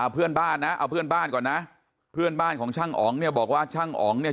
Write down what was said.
เพื่อนบ้านนะเอาเพื่อนบ้านก่อนนะเพื่อนบ้านของช่างอ๋องเนี่ยบอกว่าช่างอ๋องเนี่ย